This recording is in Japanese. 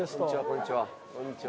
こんにちは。